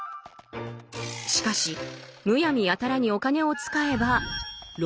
しかしむやみやたらにお金を使えば「浪費」。